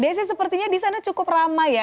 desi sepertinya di sana cukup ramai ya